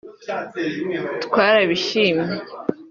"Twarabishimye